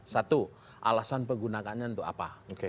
satu alasan penggunakannya untuk apa